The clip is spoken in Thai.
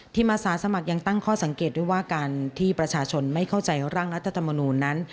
อาสาสมัครยังตั้งข้อสังเกตด้วยว่าการที่ประชาชนไม่เข้าใจร่างรัฐธรรมนูลนั้น